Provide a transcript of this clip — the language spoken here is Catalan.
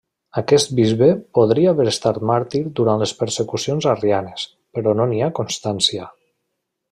Aquest bisbe podria haver estat màrtir durant les persecucions arrianes, però no n'hi ha constància.